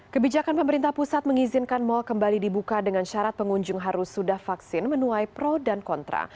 kebijakan pemerintah pusat mengizinkan mal kembali dibuka dengan syarat pengunjung harus sudah vaksin menuai pro dan kontra